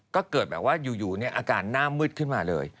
ก็เกิดแบบว่าอยู่อาการหน้ามืดขึ้นมาเลย